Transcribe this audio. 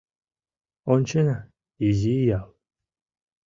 Ончена — изи ял.